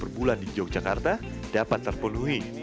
yang berbulan di yogyakarta dapat terpenuhi